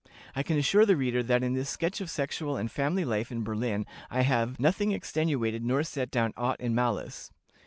I can assure the reader that in this sketch of sexual and family life in Berlin I have 'nothing extenuated, nor set down aught in malice.'"